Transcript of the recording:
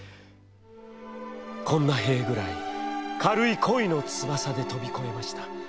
「こんな塀ぐらい軽い恋の翼で飛びこえました。